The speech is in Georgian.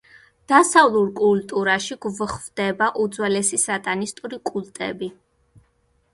დასავლურ კულტურაში გვხვდება უძველესი სატანისტური კულტები.